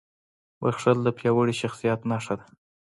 • بښل د پیاوړي شخصیت نښه ده.